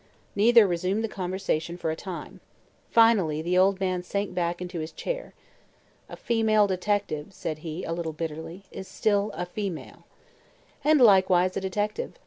Neither resumed the conversation for a time. Finally the old man sank back into his chair. "A female detective," said he, a little bitterly, "is still a female." "And likewise a detective.